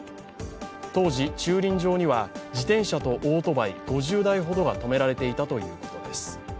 当時、駐輪場には自転車とオートバイ５０台ほどが止められていたということです。